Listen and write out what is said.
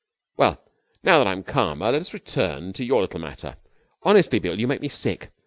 Well, now that I am calmer let us return to your little matter. Honestly, Bill, you make me sick.